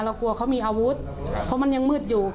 กลัวเขามีอาวุธเพราะมันยังมืดอยู่